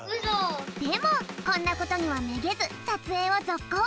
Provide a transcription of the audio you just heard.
でもこんなことにはめげずさつえいをぞっこう！